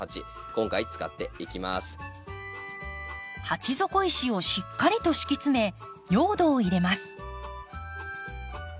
鉢底石をしっかりと敷き詰め用土を入れます。